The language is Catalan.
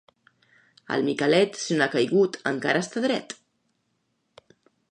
El Micalet, si no ha caigut, encara està dret.